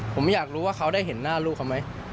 ผมอยากรู้ว่าเขาได้เห็นหน้าลูกเขาไหม